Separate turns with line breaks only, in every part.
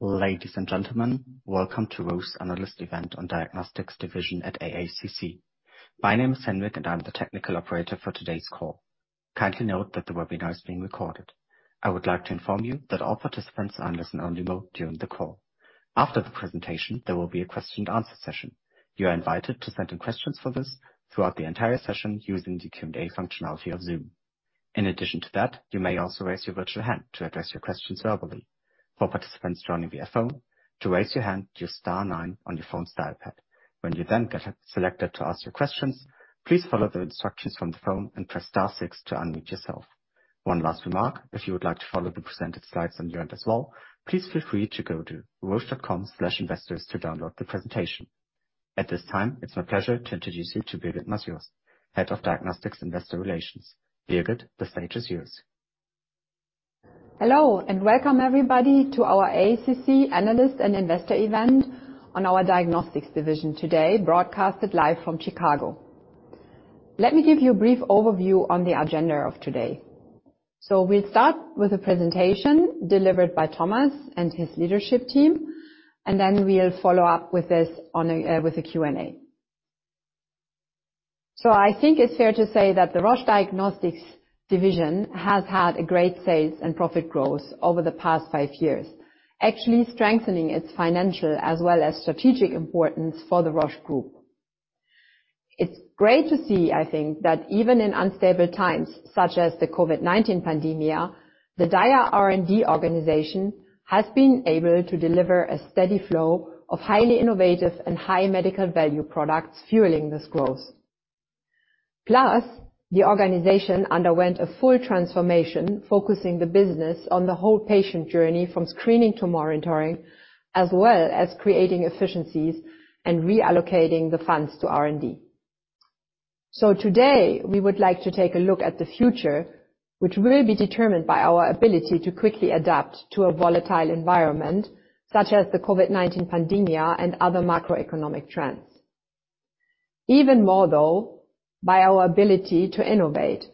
Ladies and gentlemen, welcome to Roche's analyst event on diagnostics division at AACC. My name is Henrik, and I'm the technical operator for today's call. Kindly note that the webinar is being recorded. I would like to inform you that all participants are in listen only mode during the call. After the presentation, there will be a question and answer session. You are invited to send in questions for this throughout the entire session using the Q&A functionality of Zoom. In addition to that, you may also raise your virtual hand to address your questions verbally. For participants joining via phone, to raise your hand, use star nine on your phone's dial pad. When you then get selected to ask your questions, please follow the instructions from the phone and press star six to unmute yourself. One last remark, if you would like to follow the presented slides on your end as well, please feel free to go to roche.com/investors to download the presentation. At this time, it's my pleasure to introduce you to Birgit Masjost, Head of Diagnostics Investor Relations. Birgit, the stage is yours.
Hello, welcome everybody to our AACC analyst and investor event on our diagnostics division today, broadcasted live from Chicago. Let me give you a brief overview on the agenda of today. We'll start with a presentation delivered by Thomas and his leadership team, and then we'll follow up with a Q&A. I think it's fair to say that the Roche Diagnostics division has had a great sales and profit growth over the past five years, actually strengthening its financial as well as strategic importance for the Roche Group. It's great to see, I think, that even in unstable times, such as the COVID-19 pandemic, the Dia R&D organization has been able to deliver a steady flow of highly innovative and high medical value products fueling this growth. Plus, the organization underwent a full transformation, focusing the business on the whole patient journey from screening to monitoring, as well as creating efficiencies and reallocating the funds to R&D. Today, we would like to take a look at the future, which will be determined by our ability to quickly adapt to a volatile environment, such as the COVID-19 pandemic and other macroeconomic trends. Even more though, by our ability to innovate,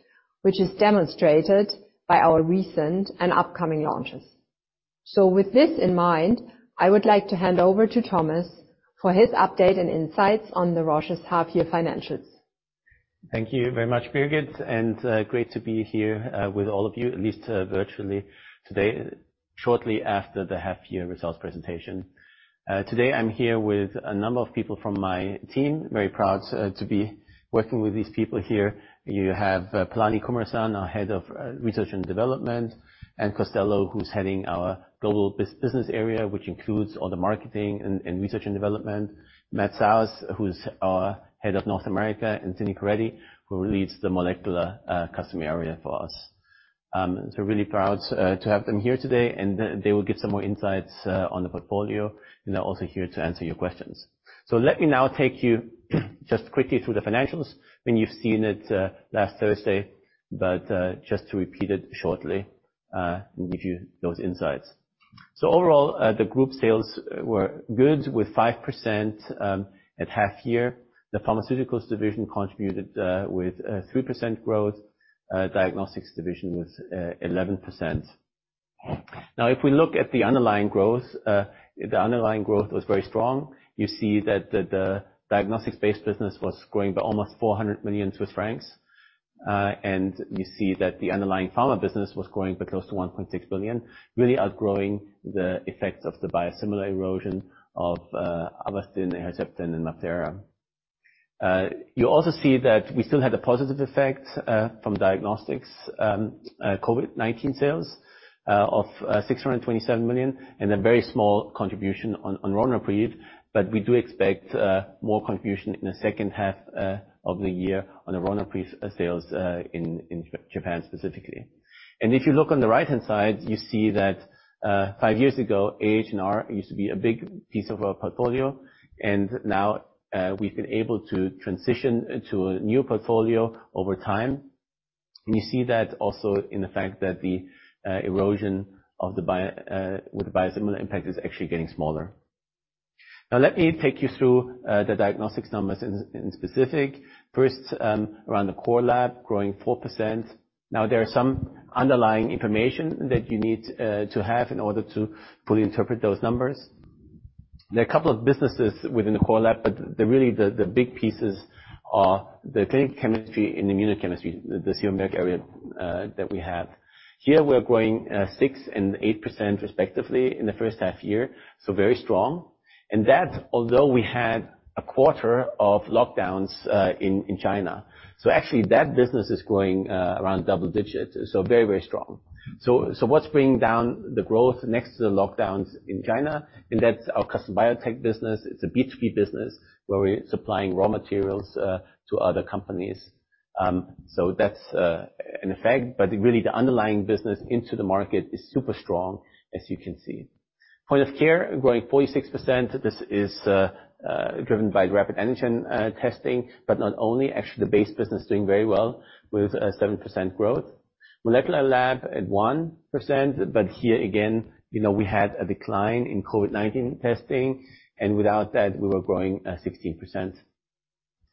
which is demonstrated by our recent and upcoming launches. With this in mind, I would like to hand over to Thomas for his update and insights on the Roche's half-year financials.
Thank you very much, Birgit, and great to be here with all of you, at least virtually today, shortly after the half year results presentation. Today I'm here with a number of people from my team. Very proud to be working with these people here. You have Palani Kumaresan, our head of research and development, Ann Costello, who's heading our global business area, which includes all the marketing and research and development. Matt Sause, who's our head of North America, and Cindy Perettie, who leads the molecular customer area for us. Really proud to have them here today, and they will give some more insights on the portfolio. They're also here to answer your questions. Let me now take you just quickly through the financials. I mean, you've seen it last Thursday, but just to repeat it shortly and give you those insights. Overall, the group sales were good with 5% at half year. The Pharmaceuticals Division contributed with 3% growth. Diagnostics Division was 11%. Now, if we look at the underlying growth, the underlying growth was very strong. You see that the diagnostics-based business was growing by almost 400 million Swiss francs. You see that the underlying pharma business was growing by close to 1.6 billion, really outgrowing the effects of the biosimilar erosion of Avastin, Herceptin, and MabThera. You also see that we still had a positive effect from diagnostics COVID-19 sales of 627 million, and a very small contribution on Ronapreve. We do expect more contribution in the second half of the year on the Ronapreve sales in Japan specifically. If you look on the right-hand side, you see that five years ago, HNR used to be a big piece of our portfolio, and now we've been able to transition into a new portfolio over time. You see that also in the fact that the erosion with the biosimilar impact is actually getting smaller. Now let me take you through the diagnostics numbers in specific. First, around the core lab growing 4%. Now there are some underlying information that you need to have in order to fully interpret those numbers. There are a couple of businesses within the core lab, but the big pieces are the clinical chemistry and immunochemistry, the CCIC area that we have. Here we're growing 6% and 8% respectively in the first half year, so very strong. That, although we had a quarter of lockdowns in China. Actually that business is growing around double digits, very strong. What's bringing down the growth next to the lockdowns in China? That's our custom biotech business. It's a B2B business where we're supplying raw materials to other companies. That's an effect, but really the underlying business into the market is super strong, as you can see. Point of care growing 46%. This is driven by rapid antigen testing, but not only. Actually, the base business is doing very well with 7% growth. Molecular lab at 1%, but here again, you know, we had a decline in COVID-19 testing, and without that, we were growing 16%.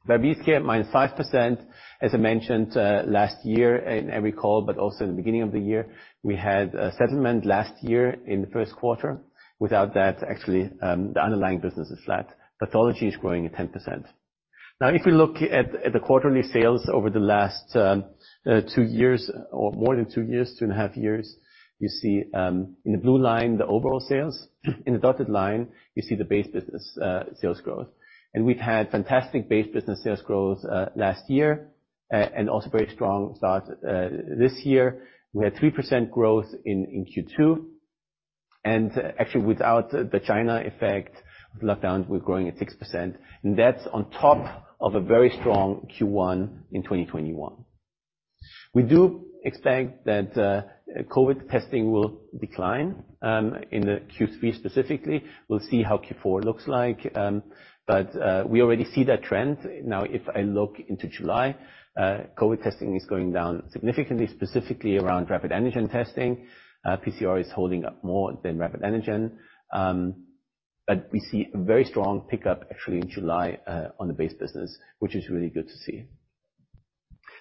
Diabetes care, minus 5%. As I mentioned last year in every call, but also in the beginning of the year, we had a settlement last year in the first quarter. Without that, actually, the underlying business is flat. Pathology is growing at 10%. Now, if we look at the quarterly sales over the last two years or more than two years, two and a half years, you see in the blue line, the overall sales. In the dotted line, you see the base business sales growth. We've had fantastic base business sales growth last year and also very strong start this year. We had 3% growth in Q2. Actually, without the China effect, lockdowns, we're growing at 6%, and that's on top of a very strong Q1 in 2021. We do expect that COVID testing will decline in Q3 specifically. We'll see how Q4 looks like. We already see that trend. Now, if I look into July, COVID testing is going down significantly, specifically around rapid antigen testing. PCR is holding up more than rapid antigen. But we see very strong pickup actually in July on the base business, which is really good to see.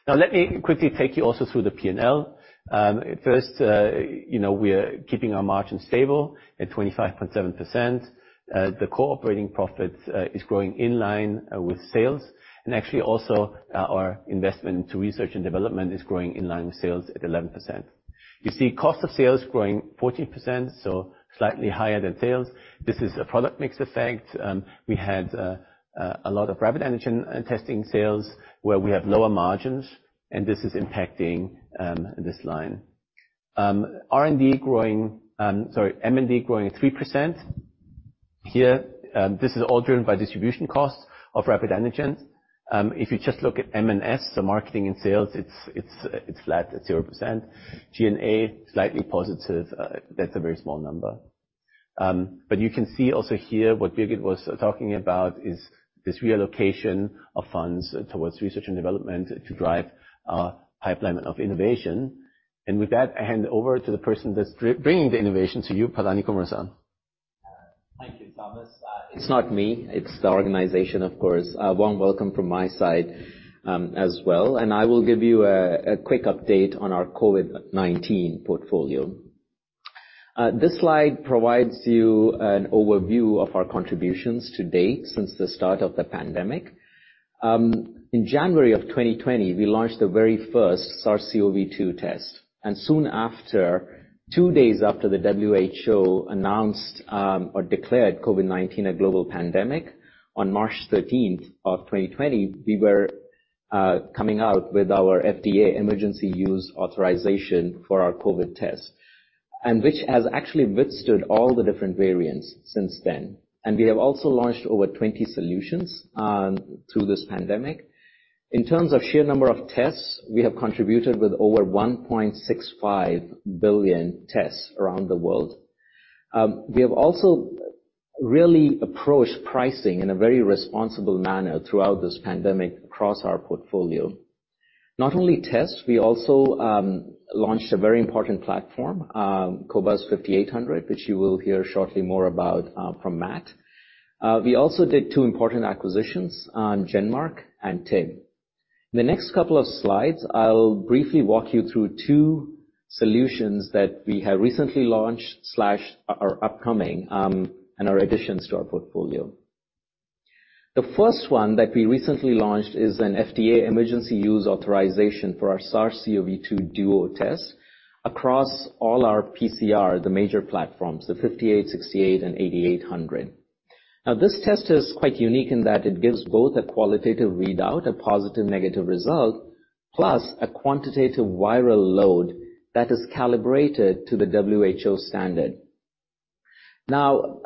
Now, let me quickly take you also through the P&L. First, you know, we are keeping our margins stable at 25.7%. The core operating profit is growing in line with sales. Actually, our investment to research and development is growing in line with sales at 11%. You see cost of sales growing 14%, so slightly higher than sales. This is a product mix effect. We had a lot of rapid antigen testing sales where we have lower margins, and this is impacting this line. M&D growing at 3%. Here, this is all driven by distribution costs of rapid antigen. If you just look at M and S, so marketing and sales, it's flat at 0%. G&A, slightly positive. That's a very small number. You can see also here what Birgit was talking about is this reallocation of funds towards research and development to drive our pipeline of innovation. With that, I hand it over to the person that's bringing the innovation to you, Palani Kumaresan.
Thank you, Thomas. It's not me, it's the organization, of course. A warm welcome from my side, as well. I will give you a quick update on our COVID-19 portfolio. This slide provides you an overview of our contributions to date since the start of the pandemic. In January of 2020, we launched the very first SARS-CoV-2 test, and soon after, two days after the WHO announced or declared COVID-19 a global pandemic, on March thirteenth of 2020, we were coming out with our FDA emergency use authorization for our COVID test, and which has actually withstood all the different variants since then. We have also launched over 20 solutions through this pandemic. In terms of sheer number of tests, we have contributed with over 1.65 billion tests around the world. We have also really approached pricing in a very responsible manner throughout this pandemic across our portfolio. Not only tests, we also launched a very important platform, cobas 5800, which you will hear shortly more about from Matt. We also did two important acquisitions, GenMark and TIB Molbiol. In the next couple of slides, I'll briefly walk you through two solutions that we have recently launched slash are upcoming and are additions to our portfolio. The first one that we recently launched is an FDA emergency use authorization for our SARS-CoV-2 Duo test across all our PCR, the major platforms, the 5800, 6800, and 8800. Now, this test is quite unique in that it gives both a qualitative readout, a positive, negative result, plus a quantitative viral load that is calibrated to the WHO standard. Now,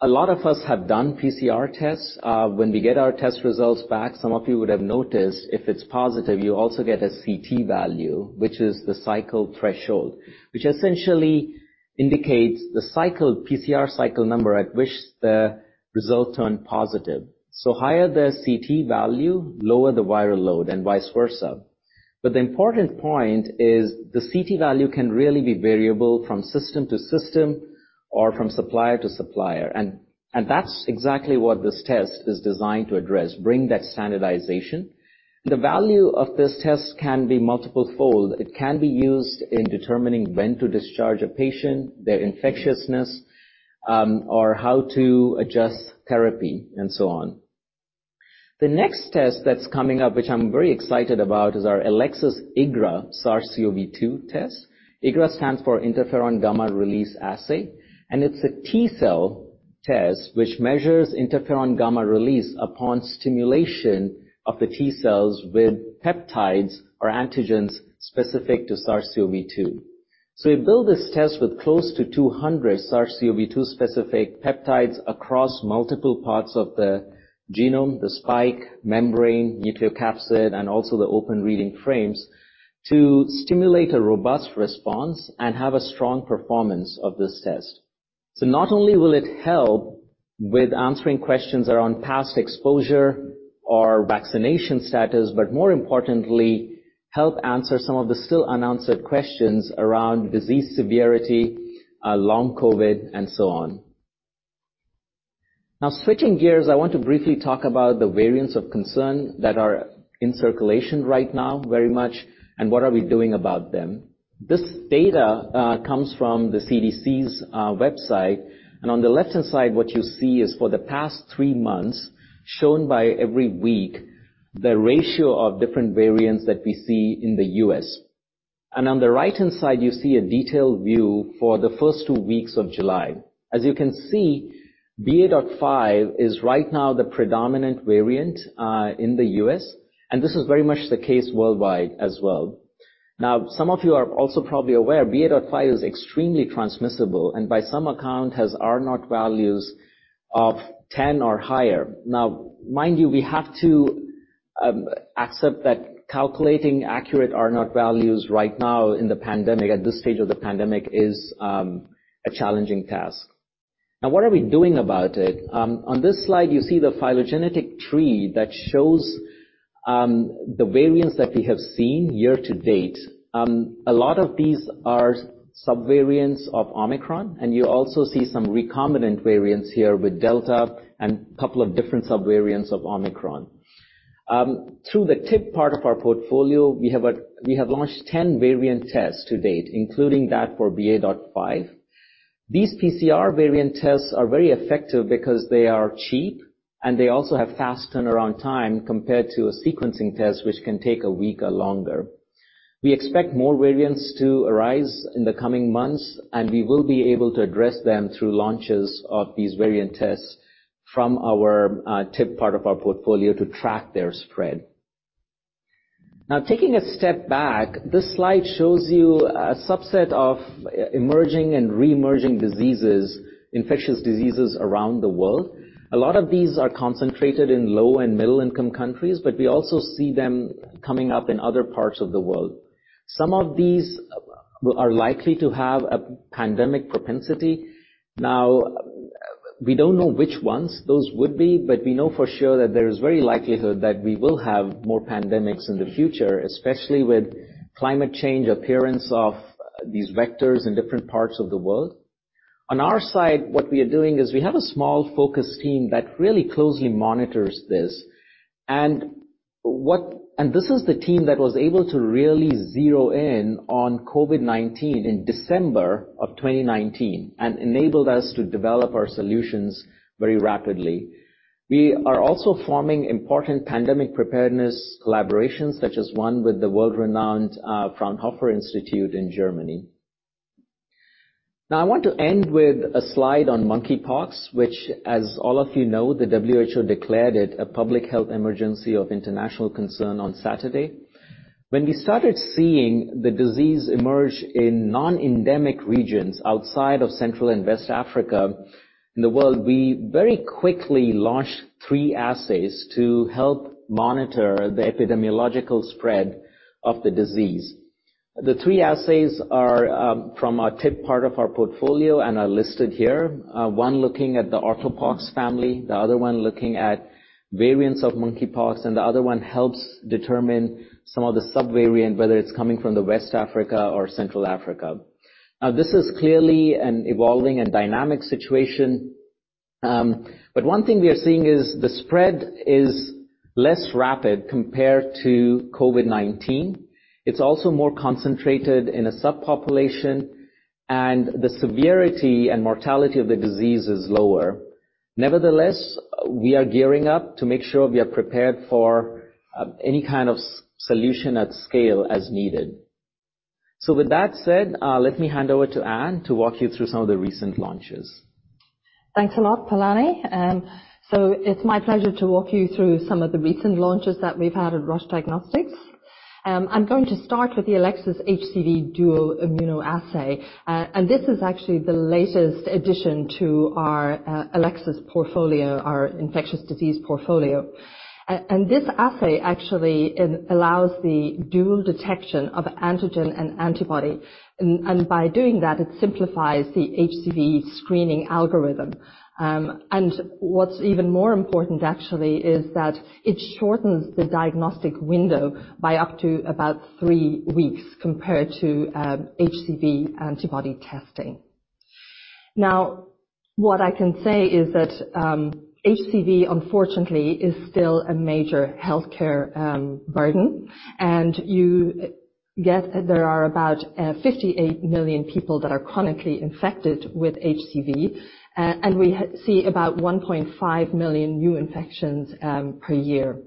a lot of us have done PCR tests. When we get our test results back, some of you would have noticed if it's positive, you also get a CT value, which is the cycle threshold, which essentially indicates the cycle, PCR cycle number at which the result turned positive. Higher the CT value, lower the viral load, and vice versa. The important point is the CT value can really be variable from system to system or from supplier to supplier. That's exactly what this test is designed to address, bring that standardization. The value of this test can be multiple fold. It can be used in determining when to discharge a patient, their infectiousness, or how to adjust therapy, and so on. The next test that's coming up, which I'm very excited about, is our Elecsys IGRA SARS-CoV-2 test. IGRA stands for interferon gamma release assay, and it's a T-cell test which measures interferon gamma release upon stimulation of the T-cells with peptides or antigens specific to SARS-CoV-2. We built this test with close to 200 SARS-CoV-2 specific peptides across multiple parts of the genome, the spike, membrane, nucleocapsid, and also the open reading frames, to stimulate a robust response and have a strong performance of this test. Not only will it help with answering questions around past exposure or vaccination status, but more importantly, help answer some of the still unanswered questions around disease severity, long COVID, and so on. Now switching gears, I want to briefly talk about the variants of concern that are in circulation right now very much, and what are we doing about them. This data comes from the CDC's website. On the left-hand side, what you see is for the past three months, shown by every week, the ratio of different variants that we see in the U.S. On the right-hand side, you see a detailed view for the first two weeks of July. As you can see, BA.5 is right now the predominant variant in the U.S., and this is very much the case worldwide as well. Now, some of you are also probably aware BA.5 is extremely transmissible, and by some account has R0 values of 10 or higher. Now, mind you, we have to accept that calculating accurate R0 values right now in the pandemic, at this stage of the pandemic is a challenging task. Now what are we doing about it? On this slide, you see the phylogenetic tree that shows the variants that we have seen year to date. A lot of these are subvariants of Omicron, and you also see some recombinant variants here with Delta and a couple of different subvariants of Omicron. Through the tip part of our portfolio, we have launched 10 variant tests to date, including that for BA.5. These PCR variant tests are very effective because they are cheap, and they also have fast turnaround time compared to a sequencing test, which can take a week or longer. We expect more variants to arise in the coming months, and we will be able to address them through launches of these variant tests from our tip part of our portfolio to track their spread. Now taking a step back, this slide shows you a subset of emerging and re-emerging diseases, infectious diseases around the world. A lot of these are concentrated in low and middle-income countries, but we also see them coming up in other parts of the world. Some of these are likely to have a pandemic propensity. Now, we don't know which ones those would be, but we know for sure that there is very likelihood that we will have more pandemics in the future, especially with climate change appearance of these vectors in different parts of the world. On our side, what we are doing is we have a small focus team that really closely monitors this. And this is the team that was able to really zero in on COVID-19 in December of 2019, and enabled us to develop our solutions very rapidly. We are also forming important pandemic preparedness collaborations, such as one with the world-renowned Fraunhofer Institute in Germany. Now, I want to end with a slide on monkeypox, which, as all of you know, the WHO declared it a public health emergency of international concern on Saturday. When we started seeing the disease emerge in non-endemic regions outside of Central and West Africa in the world, we very quickly launched three assays to help monitor the epidemiological spread of the disease. The three assays are from our TIB part of our portfolio and are listed here. One looking at the Orthopox family, the other one looking at variants of monkeypox, and the other one helps determine some of the subvariant, whether it's coming from the West Africa or Central Africa. Now, this is clearly an evolving and dynamic situation. One thing we are seeing is the spread is less rapid compared to COVID-19. It's also more concentrated in a subpopulation, and the severity and mortality of the disease is lower. Nevertheless, we are gearing up to make sure we are prepared for any kind of solution at scale as needed. With that said, let me hand over to Ann to walk you through some of the recent launches.
Thanks a lot, Palani. It's my pleasure to walk you through some of the recent launches that we've had at Roche Diagnostics. I'm going to start with the Elecsys HCV Duo Immunoassay. This is actually the latest addition to our Elecsys portfolio, our infectious disease portfolio. This assay actually allows the dual detection of antigen and antibody. By doing that, it simplifies the HCV screening algorithm. What's even more important actually is that it shortens the diagnostic window by up to about three weeks compared to HCV antibody testing. Now, what I can say is that HCV, unfortunately, is still a major healthcare burden. Yet there are about 58 million people that are chronically infected with HCV, and we see about 1.5 million new infections per year.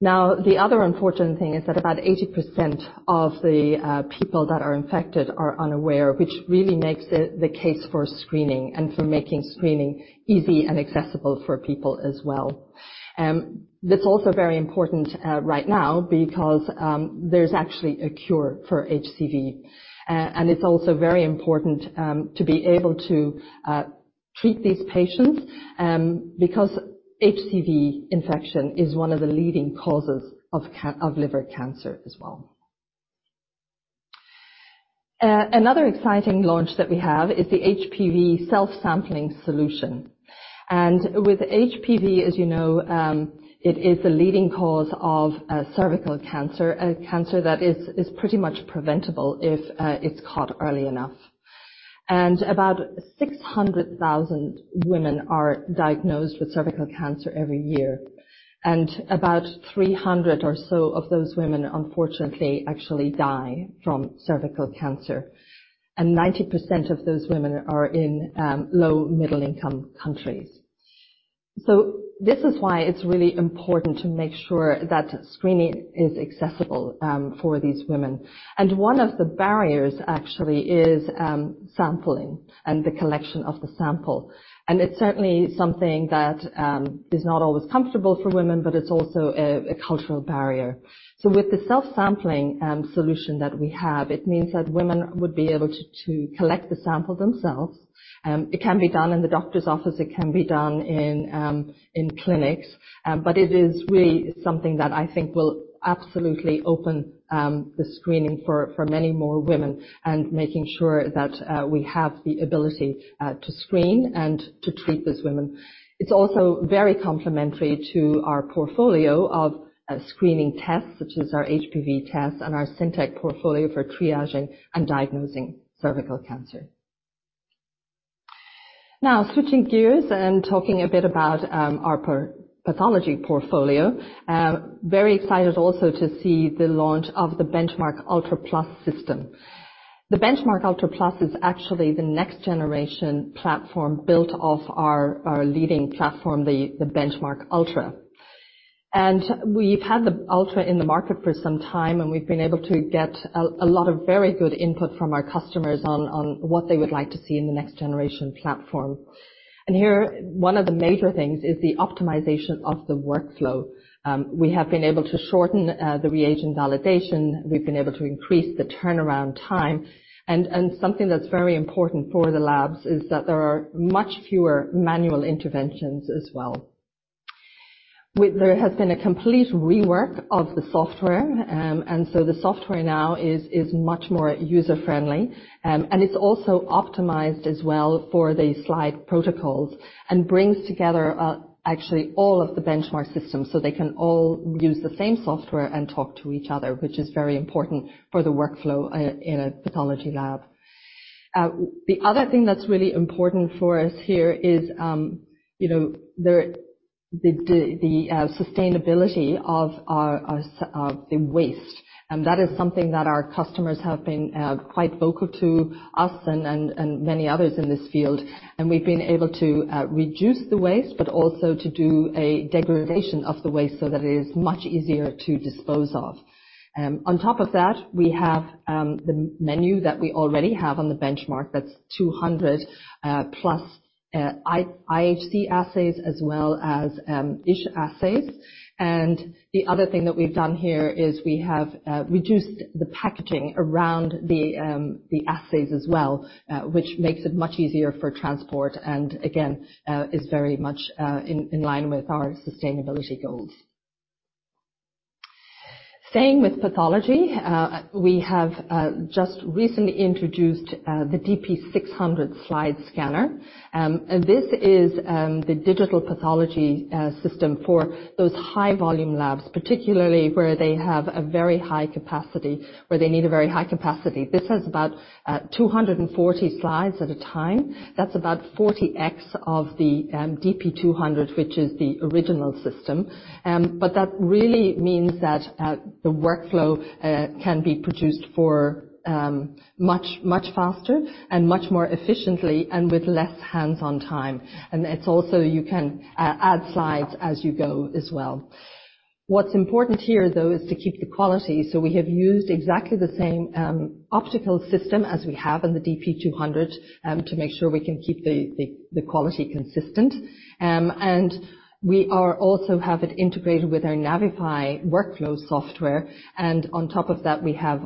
Now, the other unfortunate thing is that about 80% of the people that are infected are unaware, which really makes the case for screening and for making screening easy and accessible for people as well. That's also very important right now because there's actually a cure for HCV. It's also very important to be able to treat these patients because HCV infection is one of the leading causes of liver cancer as well. Another exciting launch that we have is the HPV self-sampling solution. With HPV, as you know, it is the leading cause of cervical cancer, a cancer that is pretty much preventable if it's caught early enough. About 600,000 women are diagnosed with cervical cancer every year. About 300 or so of those women, unfortunately, actually die from cervical cancer. 19% of those women are in low-middle income countries. This is why it's really important to make sure that screening is accessible for these women. One of the barriers actually is sampling and the collection of the sample. It's certainly something that is not always comfortable for women, but it's also a cultural barrier. With the self-sampling solution that we have, it means that women would be able to collect the sample themselves. It can be done in the doctor's office. It can be done in clinics. It is really something that I think will absolutely open the screening for many more women and making sure that we have the ability to screen and to treat these women. It's also very complementary to our portfolio of screening tests, such as our HPV test and our CINtec portfolio for triaging and diagnosing cervical cancer. Now, switching gears and talking a bit about our pathology portfolio. Very excited also to see the launch of the BenchMark ULTRA PLUS system. The BenchMark ULTRA PLUS is actually the next generation platform built off our leading platform, the BenchMark ULTRA. We've had the ULTRA in the market for some time, and we've been able to get a lot of very good input from our customers on what they would like to see in the next generation platform. Here, one of the major things is the optimization of the workflow. We have been able to shorten the reagent validation. We've been able to increase the turnaround time. Something that's very important for the labs is that there are much fewer manual interventions as well. There has been a complete rework of the software, and so the software now is much more user-friendly. It's also optimized as well for the slide protocols and brings together, actually all of the BenchMark systems, so they can all use the same software and talk to each other, which is very important for the workflow in a pathology lab. The other thing that's really important for us here is, you know, the sustainability of the waste. That is something that our customers have been quite vocal to us and many others in this field. We've been able to reduce the waste, but also to do a degradation of the waste so that it is much easier to dispose off. On top of that, we have the menu that we already have on the BenchMark that's 200 plus IHC assays as well as ISH assays. The other thing that we've done here is we have reduced the packaging around the assays as well, which makes it much easier for transport, and again is very much in line with our sustainability goals. Staying with pathology, we have just recently introduced the DP600 slide scanner. This is the digital pathology system for those high volume labs, particularly where they have a very high capacity, where they need a very high capacity. This has about 240 slides at a time. That's about 40x of the DP200, which is the original system. But that really means that the workflow can be processed much, much faster and much more efficiently and with less hands-on time. It's also you can add slides as you go as well. What's important here, though, is to keep the quality. We have used exactly the same optical system as we have in the DP200 to make sure we can keep the quality consistent. We also have it integrated with our Navify workflow software. On top of that, we have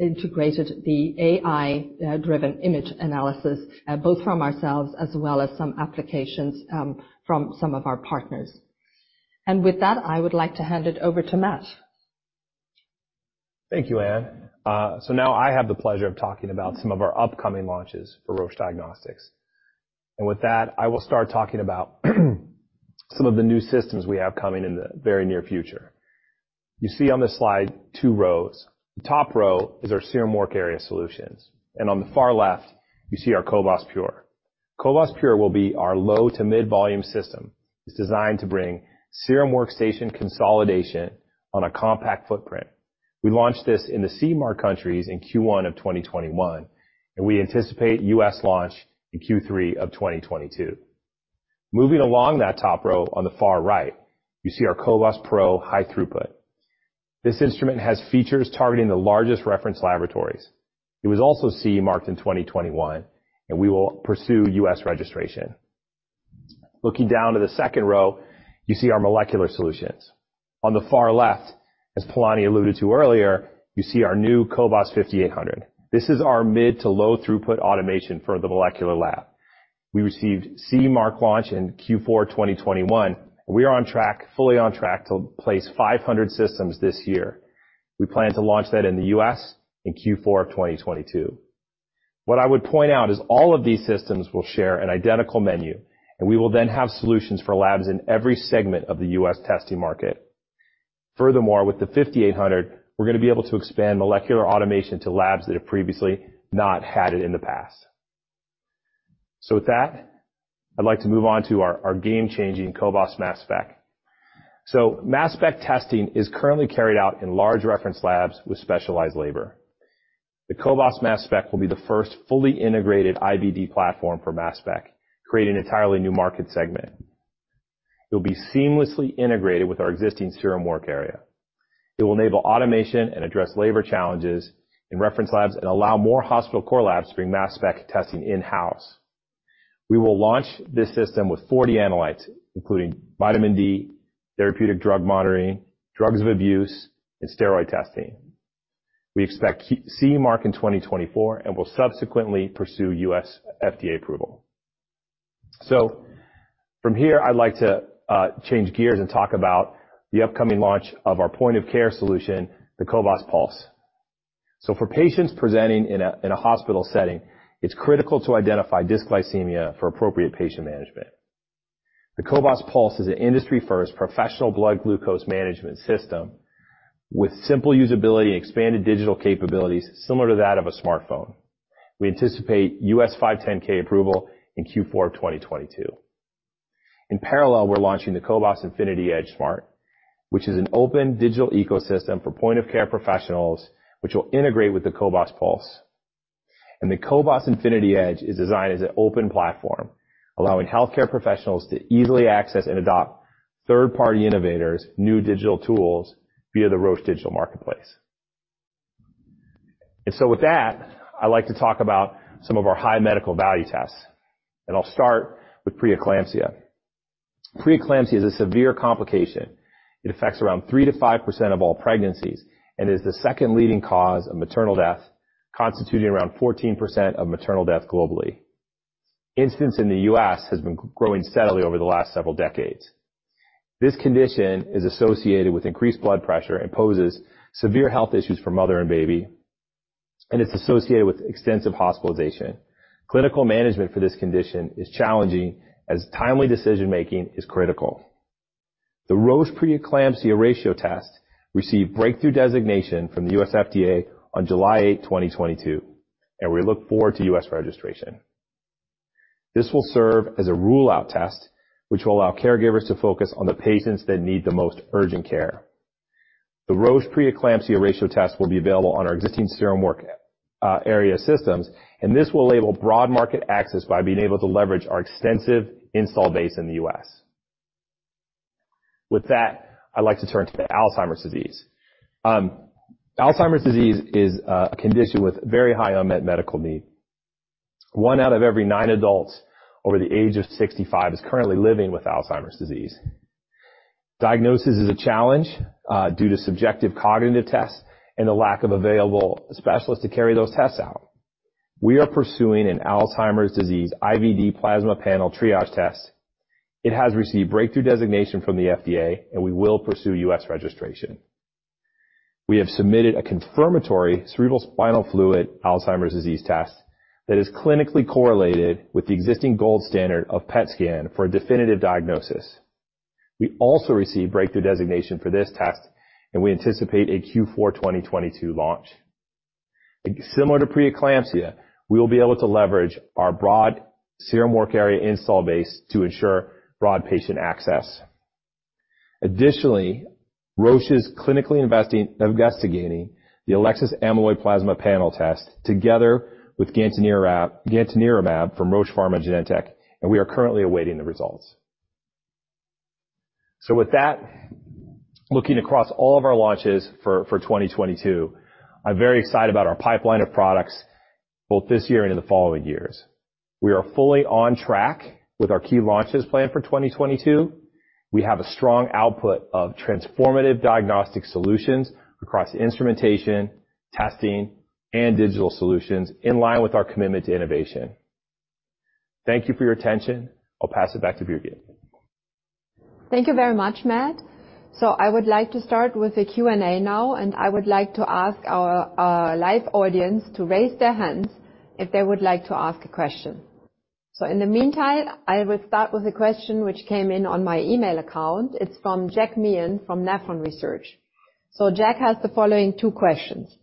integrated the AI driven image analysis both from ourselves as well as some applications from some of our partners. With that, I would like to hand it over to Matt.
Thank you, Ann. Now I have the pleasure of talking about some of our upcoming launches for Roche Diagnostics. With that, I will start talking about some of the new systems we have coming in the very near future. You see on this slide two rows. The top row is our serum work area solutions. On the far left, you see our cobas Pure. cobas Pure will be our low- to mid-volume system. It's designed to bring serum workstation consolidation on a compact footprint. We launched this in the CEMA countries in Q1 of 2021, and we anticipate U.S. launch in Q3 of 2022. Moving along that top row on the far right, you see our cobas pro high-throughput. This instrument has features targeting the largest reference laboratories. It was also CE marked in 2021, and we will pursue US registration. Looking down to the second row, you see our molecular solutions. On the far left, as Palani alluded to earlier, you see our new cobas 5800. This is our mid to low throughput automation for the molecular lab. We received CE mark launch in Q4 2021. We are on track, fully on track to place 500 systems this year. We plan to launch that in the U.S. in Q4 2022. What I would point out is all of these systems will share an identical menu, and we will then have solutions for labs in every segment of the U.S. testing market. Furthermore, with the 5800, we're gonna be able to expand molecular automation to labs that have previously not had it in the past. With that, I'd like to move on to our game-changing cobas MassSpec. MassSpec testing is currently carried out in large reference labs with specialized labor. The cobas MassSpec will be the first fully integrated IVD platform for MassSpec, creating an entirely new market segment. It will be seamlessly integrated with our existing serum work area. It will enable automation and address labor challenges in reference labs and allow more hospital core labs to bring MassSpec testing in-house. We will launch this system with 40 analytes, including vitamin D, therapeutic drug monitoring, drugs of abuse, and steroid testing. We expect CE mark in 2024 and will subsequently pursue U.S. FDA approval. From here, I'd like to change gears and talk about the upcoming launch of our point-of-care solution, the cobas Pulse. For patients presenting in a hospital setting, it's critical to identify dysglycemia for appropriate patient management. The Cobas Pulse is an industry-first professional blood glucose management system with simple usability and expanded digital capabilities similar to that of a smartphone. We anticipate U.S. 510(k) approval in Q4 of 2022. In parallel, we're launching the Cobas Infinity Edge Smart, which is an open digital ecosystem for point-of-care professionals which will integrate with the Cobas Pulse. The Cobas Infinity Edge is designed as an open platform, allowing healthcare professionals to easily access and adopt third-party innovators' new digital tools via the Roche Digital Marketplace. With that, I'd like to talk about some of our high medical value tests, and I'll start with preeclampsia. Preeclampsia is a severe complication. It affects around 3%-5% of all pregnancies and is the second leading cause of maternal death, constituting around 14% of maternal death globally. Incidence in the U.S. has been growing steadily over the last several decades. This condition is associated with increased blood pressure and poses severe health issues for mother and baby, and it's associated with extensive hospitalization. Clinical management for this condition is challenging as timely decision-making is critical. The Elecsys sFlt-1/PlGF ratio received breakthrough designation from the U.S. FDA on July 8, 2022, and we look forward to U.S. registration. This will serve as a rule-out test, which will allow caregivers to focus on the patients that need the most urgent care. The Elecsys sFlt-1/PlGF ratio will be available on our existing serum work area systems, and this will enable broad market access by being able to leverage our extensive installed base in the U.S. With that, I'd like to turn to Alzheimer's disease. Alzheimer's disease is a condition with very high unmet medical need. One out of every nine adults over the age of 65 is currently living with Alzheimer's disease. Diagnosis is a challenge due to subjective cognitive tests and the lack of available specialists to carry those tests out. We are pursuing an Alzheimer's disease IVD plasma panel triage test. It has received breakthrough designation from the FDA, and we will pursue U.S. registration. We have submitted a confirmatory cerebrospinal fluid Alzheimer's disease test that is clinically correlated with the existing gold standard of PET scan for a definitive diagnosis. We also received breakthrough designation for this test, and we anticipate a Q4 2022 launch. Similar to preeclampsia, we will be able to leverage our broad serum work area install base to ensure broad patient access. Additionally, Roche is clinically investigating the Elecsys Amyloid Plasma Panel test together with gantenerumab from Roche Pharmaceuticals, Genentech, and we are currently awaiting the results. With that, looking across all of our launches for 2022, I'm very excited about our pipeline of products both this year and in the following years. We are fully on track with our key launches planned for 2022. We have a strong output of transformative diagnostic solutions across instrumentation, testing, and digital solutions in line with our commitment to innovation. Thank you for your attention. I'll pass it back to Birgit.
Thank you very much, Matt. I would like to start with the Q&A now, and I would like to ask our live audience to raise their hands if they would like to ask a question. In the meantime, I will start with a question which came in on my email account. It's from Jack Meehan from Nephron Research. Jack has the following two questions.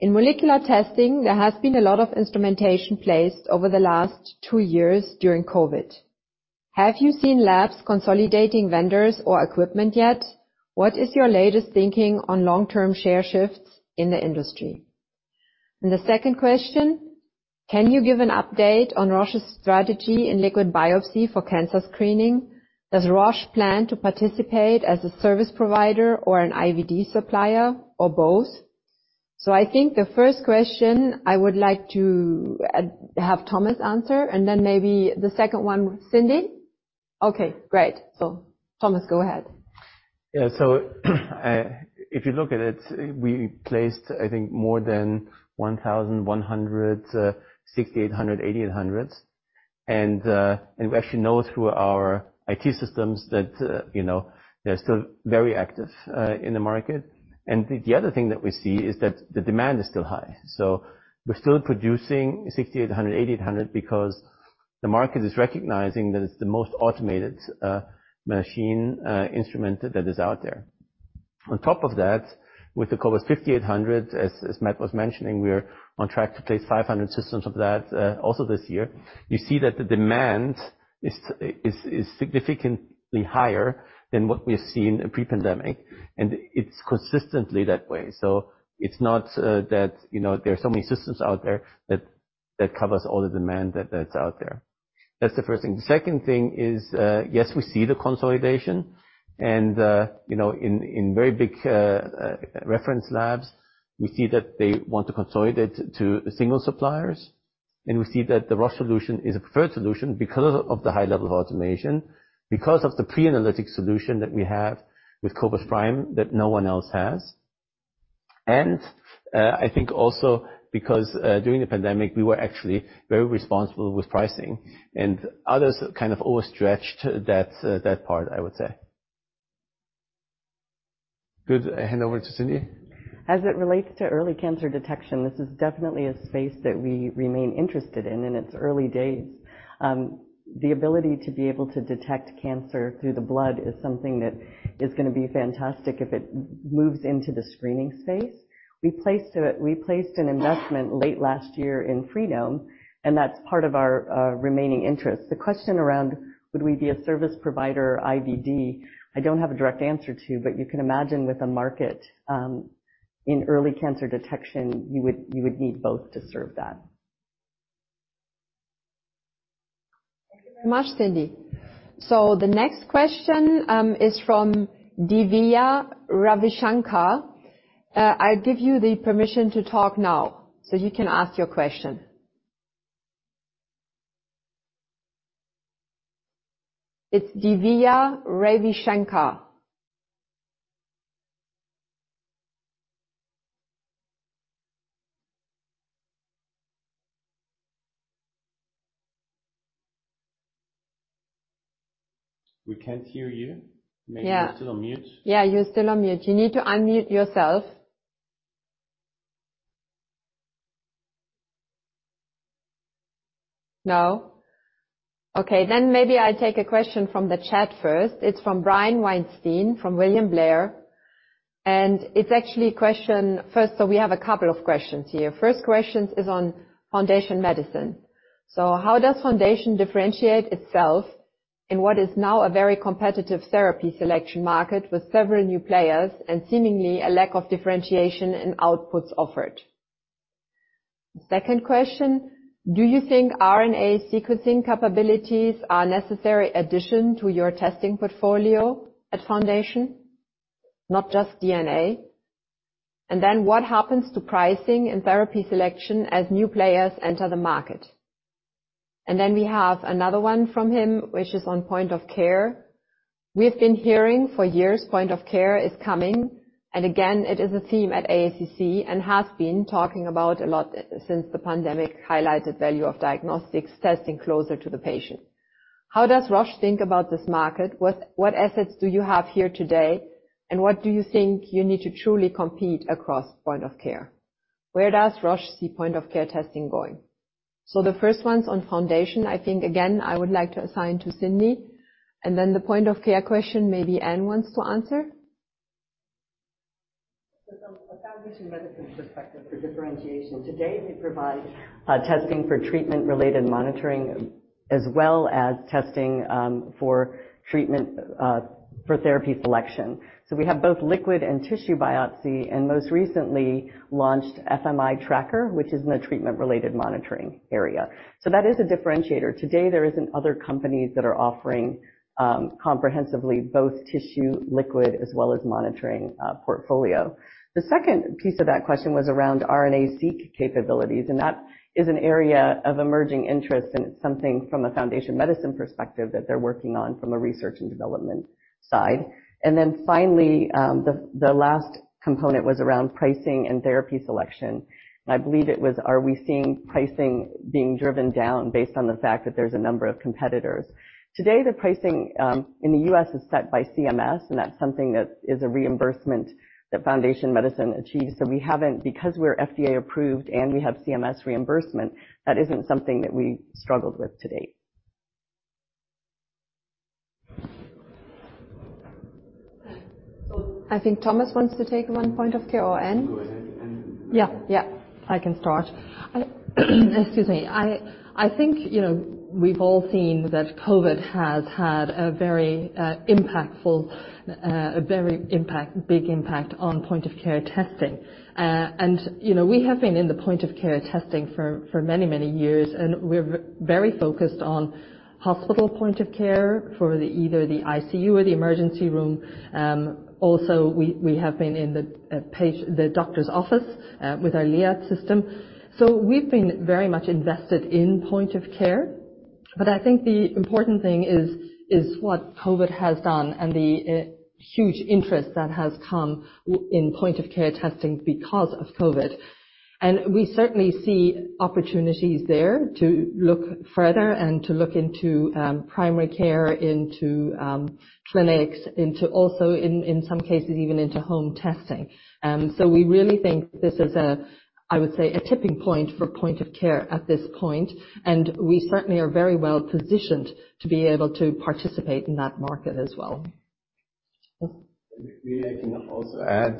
In molecular testing, there has been a lot of instrumentation placed over the last two years during COVID. Have you seen labs consolidating vendors or equipment yet? What is your latest thinking on long-term share shifts in the industry? And the second question: Can you give an update on Roche's strategy in liquid biopsy for cancer screening? Does Roche plan to participate as a service provider or an IVD supplier or both? I think the first question I would like to have Thomas answer, and then maybe the second one, Cindy? Okay, great. Thomas, go ahead.
If you look at it, we placed, I think, more than 1100 cobas 6800, 8800s. We actually know through our IT systems that, you know, they're still very active in the market. The other thing that we see is that the demand is still high. We're still producing 6800, 8800, because the market is recognizing that it's the most automated machine instrument that is out there. On top of that, with the cobas 5800, as Matt was mentioning, we're on track to place 500 systems of that also this year. You see that the demand is significantly higher than what we have seen in pre-pandemic, and it's consistently that way. It's not that, you know, there are so many systems out there that covers all the demand that's out there. That's the first thing. The second thing is, yes, we see the consolidation and, you know, in very big reference labs, we see that they want to consolidate to single suppliers. We see that the Roche solution is a preferred solution because of the high level of automation, because of the pre-analytical solution that we have with cobas prime that no one else has. I think also because, during the pandemic, we were actually very responsible with pricing and others kind of overstretched that part, I would say. Good. Hand over to Cindy.
As it relates to early cancer detection, this is definitely a space that we remain interested in. In its early days, the ability to be able to detect cancer through the blood is something that is gonna be fantastic if it moves into the screening space. We placed an investment late last year in Freenome, and that's part of our remaining interest. The question around would we be a service provider or IVD, I don't have a direct answer to, but you can imagine with a market in early cancer detection, you would need both to serve that.
Thank you very much, Cindy. The next question is from Divya Ravishankar. I give you the permission to talk now, so you can ask your question. It's Divya Ravishankar.
We can't hear you.
Yeah.
Maybe you're still on mute.
Yeah, you're still on mute. You need to unmute yourself. No? Okay, maybe I'll take a question from the chat first. It's from Brian Weinstein, from William Blair, and it's actually a question. First, we have a couple of questions here. First question is on Foundation Medicine. How does Foundation differentiate itself in what is now a very competitive therapy selection market with several new players and seemingly a lack of differentiation in outputs offered? Second question, do you think RNA sequencing capabilities are a necessary addition to your testing portfolio at Foundation, not just DNA? What happens to pricing and therapy selection as new players enter the market? We have another one from him, which is on point of care. We've been hearing for years point of care is coming, and again, it is a theme at AACC, and has been talking about a lot since the pandemic highlighted value of diagnostics testing closer to the patient. How does Roche think about this market? What assets do you have here today, and what do you think you need to truly compete across point of care? Where does Roche see point of care testing going? The first one's on Foundation. I think, again, I would like to assign to Cindy, and then the point of care question, maybe Ann wants to answer.
From a Foundation Medicine perspective for differentiation. Today, we provide testing for treatment-related monitoring as well as testing for therapy selection. We have both liquid and tissue biopsy, and most recently launched FMI Tracker, which is in the treatment-related monitoring area. That is a differentiator. Today, there isn't other companies that are offering comprehensively both tissue, liquid, as well as monitoring portfolio. The second piece of that question was around RNA-Seq capabilities, and that is an area of emerging interest, and it's something from a Foundation Medicine perspective that they're working on from a research and development side. Then finally, the last component was around pricing and therapy selection. I believe it was, are we seeing pricing being driven down based on the fact that there's a number of competitors? Today, the pricing in the U.S. is set by CMS, and that's something that is a reimbursement that Foundation Medicine achieves. Because we're FDA approved and we have CMS reimbursement, that isn't something that we struggled with to date.
I think Thomas wants to take one point of care or Ann.
Go ahead, Ann.
Yeah. Yeah, I can start. Excuse me. I think, you know, we've all seen that COVID has had a very impactful, a very big impact on point of care testing. You know, we have been in the point of care testing for many years, and we're very focused on hospital point of care for either the ICU or the emergency room. Also we have been in the doctor's office with our LIAT system. We've been very much invested in point of care, but I think the important thing is what COVID has done and the huge interest that has come in point of care testing because of COVID. We certainly see opportunities there to look further and to look into primary care into clinics, into also in some cases, even into home testing. We really think this is a, I would say, a tipping point for point of care at this point, and we certainly are very well positioned to be able to participate in that market as well.
Maybe I can also add.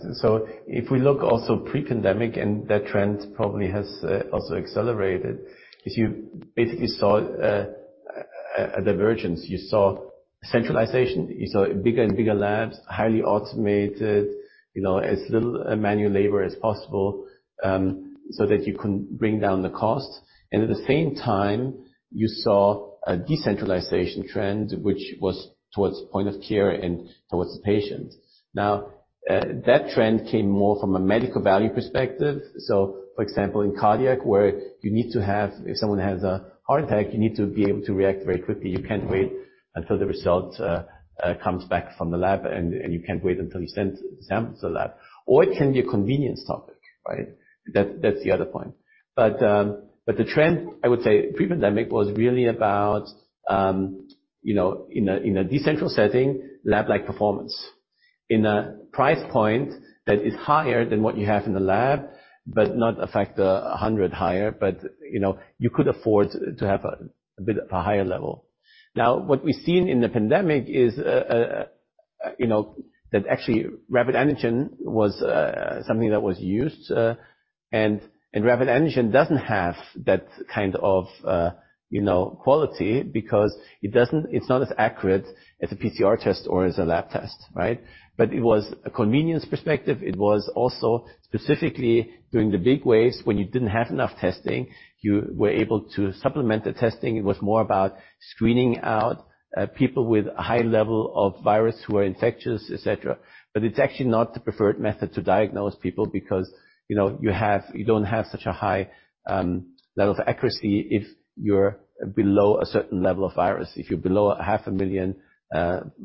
If we look also pre-pandemic, and that trend probably has also accelerated, is you basically saw a divergence. You saw centralization. You saw bigger and bigger labs, highly automated, you know, as little manual labor as possible, so that you can bring down the cost. At the same time, you saw a decentralization trend, which was towards point of care and towards the patient. Now, that trend came more from a medical value perspective. For example, in cardiac, where you need to have, if someone has a heart attack, you need to be able to react very quickly. You can't wait until the result comes back from the lab, and you can't wait until you send samples to the lab. Or it can be a convenience topic, right? That's the other point. The trend, I would say pre-pandemic was really about, you know, in a decentralized setting, lab-like performance. In a price point that is higher than what you have in the lab, but not a factor of a hundred higher. You know, you could afford to have a bit of a higher level. Now, what we've seen in the pandemic is, you know, that actually rapid antigen was something that was used, and rapid antigen doesn't have that kind of, you know, quality because it's not as accurate as a PCR test or as a lab test, right? It was a convenience perspective. It was also specifically during the big waves, when you didn't have enough testing, you were able to supplement the testing. It was more about screening out people with a high level of virus who are infectious, et cetera. It's actually not the preferred method to diagnose people because, you know, you don't have such a high level of accuracy if you're below a certain level of virus. If you're below 500,000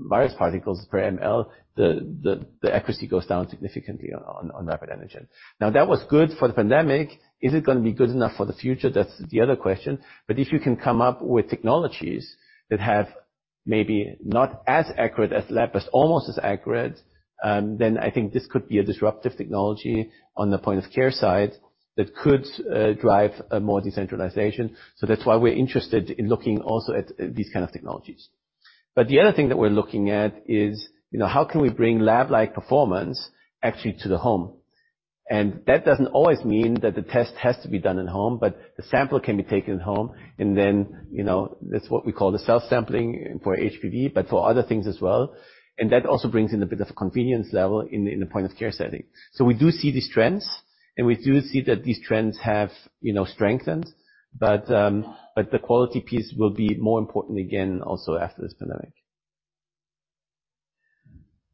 virus particles per mL, the accuracy goes down significantly on rapid antigen. Now, that was good for the pandemic. Is it gonna be good enough for the future? That's the other question. If you can come up with technologies that have maybe not as accurate as lab, but almost as accurate, then I think this could be a disruptive technology on the point of care side that could drive a more decentralization. That's why we're interested in looking also at these kind of technologies. The other thing that we're looking at is, you know, how can we bring lab-like performance actually to the home? That doesn't always mean that the test has to be done at home, but the sample can be taken at home. You know, that's what we call the self-sampling for HPV, but for other things as well. That also brings in a bit of convenience level in the point of care setting. We do see these trends, and we do see that these trends have, you know, strengthened, but the quality piece will be more important again, also after this pandemic.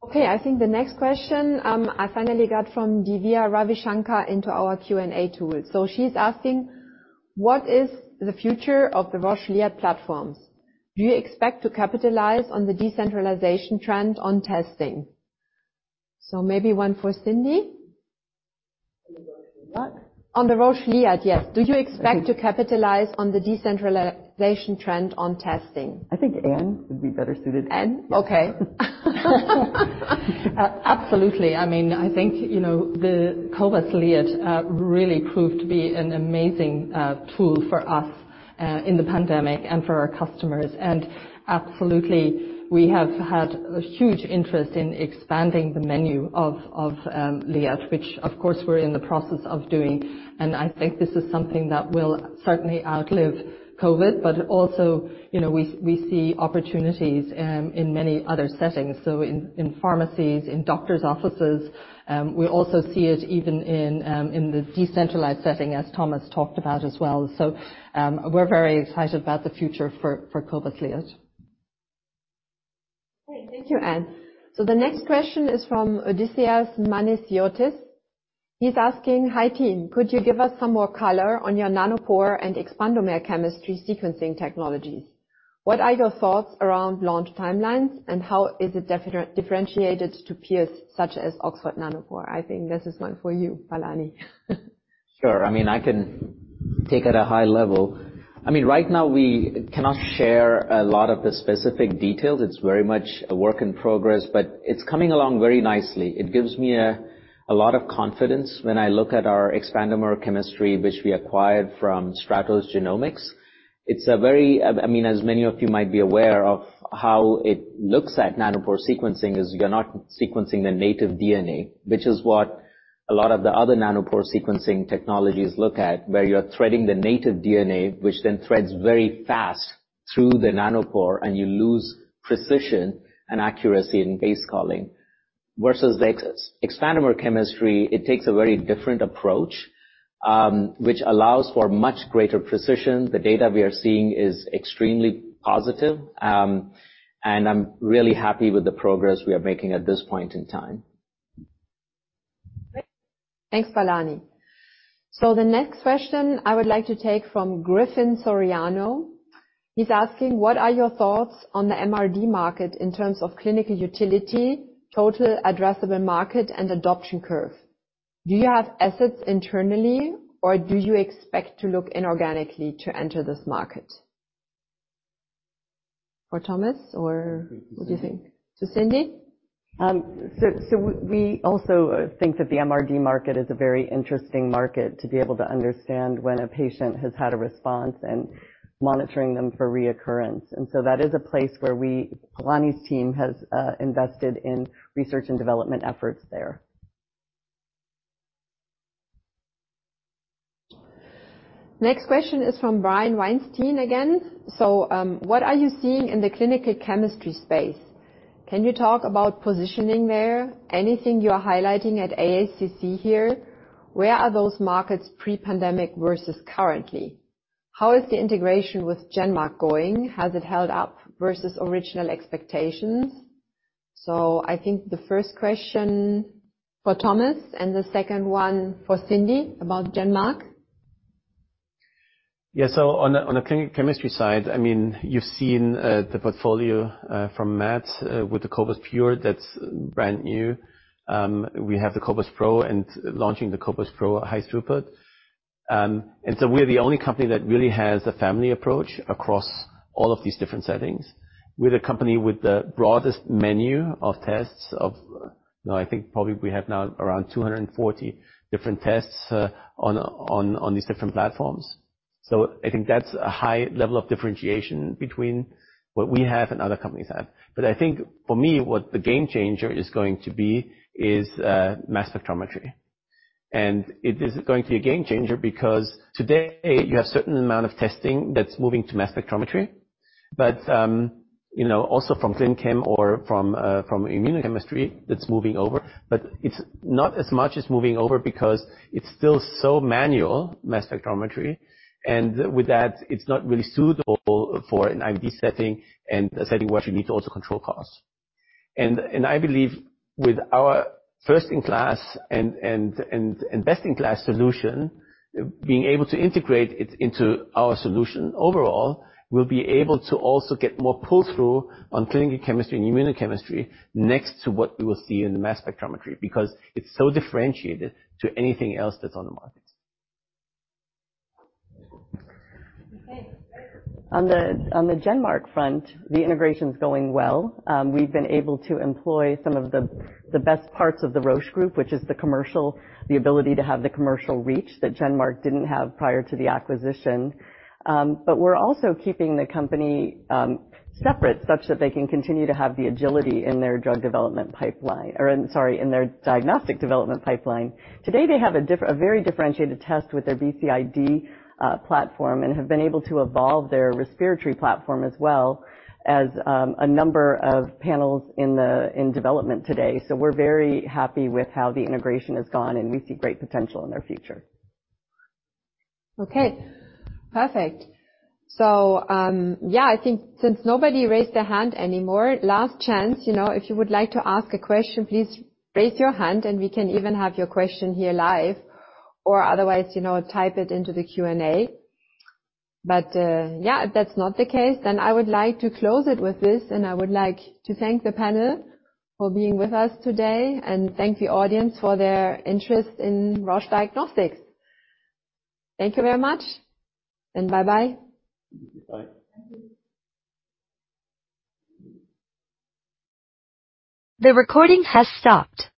Okay, I think the next question, I finally got from Divya Ravishankar into our Q&A tool. She's asking, "What is the future of the Roche LIAT platforms? Do you expect to capitalize on the decentralization trend on testing?" Maybe one for Cindy.
On the Roche what? On the Roche LIAT, yes. Do you expect to capitalize on the decentralization trend on testing? I think Ann would be better suited.
Ann? Okay.
Absolutely. I mean, I think, you know, the cobas Liat really proved to be an amazing tool for us in the pandemic and for our customers. Absolutely, we have had a huge interest in expanding the menu of Liat, which, of course, we're in the process of doing. I think this is something that will certainly outlive COVID, but also, you know, we see opportunities in many other settings. In pharmacies, in doctor's offices. We also see it even in the decentralized setting, as Thomas talked about as well. We're very excited about the future for cobas Liat.
Great. Thank you, Ann. So the next question is from Odysseas Manisiotis. He's asking, "Hi, team. Could you give us some more color on your Nanopore and Xpandomer chemistry sequencing technologies? What are your thoughts around launch timelines, and how is it differentiated to peers such as Oxford Nanopore Technologies?" I think this is one for you, Palani.
Sure. I mean, I can take at a high level. I mean, right now, we cannot share a lot of the specific details. It's very much a work in progress, but it's coming along very nicely. It gives me a lot of confidence when I look at our Xpandomer chemistry, which we acquired from Stratos Genomics. It's very. I mean, as many of you might be aware of how it looks at Nanopore sequencing is you're not sequencing the native DNA, which is what a lot of the other Nanopore sequencing technologies look at, where you're threading the native DNA, which then threads very fast through the Nanopore, and you lose precision and accuracy in base calling. Versus the Xpandomer chemistry, it takes a very different approach, which allows for much greater precision.
The data we are seeing is extremely positive, and I'm really happy with the progress we are making at this point in time.
Great. Thanks, Palani. The next question I would like to take from Griffin Soriano. He's asking: What are your thoughts on the MRD market in terms of clinical utility, total addressable market, and adoption curve? Do you have assets internally or do you expect to look inorganically to enter this market? For Thomas or what do you think? To Cindy.
We also think that the MRD market is a very interesting market to be able to understand when a patient has had a response and monitoring them for reoccurrence. That is a place where Palani's team has invested in research and development efforts there.
Next question is from Brian Weinstein again. What are you seeing in the clinical chemistry space? Can you talk about positioning there? Anything you're highlighting at AACC here? Where are those markets pre-pandemic versus currently? How is the integration with GenMark going? Has it held up versus original expectations? I think the first question for Thomas and the second one for Cindy about GenMark.
On the clinical chemistry side, I mean, you've seen the portfolio from Matt with the cobas pure that's brand new. We have the cobas pro and launching the cobas pro high-throughput. We're the only company that really has a family approach across all of these different settings. We're the company with the broadest menu of tests of, you know, I think probably we have now around 240 different tests on these different platforms. I think that's a high level of differentiation between what we have and other companies have. I think for me, what the game changer is going to be is mass spectrometry. It is going to be a game changer because today you have certain amount of testing that's moving to mass spectrometry. You know, also from clin chem or from immunochemistry, that's moving over. It's not as much as moving over because it's still so manual, mass spectrometry. With that, it's not really suitable for an IVD setting and a setting where you need to also control costs. I believe with our first in class and best in class solution, being able to integrate it into our solution overall, we'll be able to also get more pull-through on clinical chemistry and immunochemistry next to what you will see in the mass spectrometry, because it's so differentiated to anything else that's on the market.
On the GenMark front, the integration's going well. We've been able to employ some of the best parts of the Roche Group, which is the commercial ability to have the commercial reach that GenMark didn't have prior to the acquisition. But we're also keeping the company separate such that they can continue to have the agility in their diagnostic development pipeline. Today, they have a very differentiated test with their BCID platform and have been able to evolve their respiratory platform as well as a number of panels in development today. We're very happy with how the integration has gone, and we see great potential in their future.
Okay, perfect. Yeah, I think since nobody raised their hand anymore, last chance, you know, if you would like to ask a question, please raise your hand, and we can even have your question here live. Otherwise, you know, type it into the Q&A. Yeah, if that's not the case, then I would like to close it with this. I would like to thank the panel for being with us today and thank the audience for their interest in Roche Diagnostics. Thank you very much and bye-bye.
Bye.
Thank you. The recording has stopped.